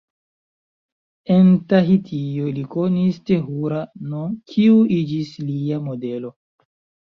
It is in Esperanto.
En Tahitio, li konis Tehura-n, kiu iĝis lia modelo.